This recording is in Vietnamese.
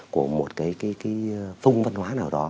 của một phung văn hóa